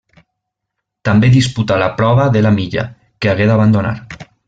També disputà la prova de la milla, que hagué d'abandonar.